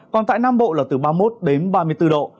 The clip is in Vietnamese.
còn tại nam bộ là từ ba mươi một đến ba mươi bốn độ